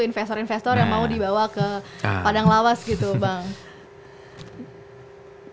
investor investor yang mau dibawa ke padang lawas gitu bang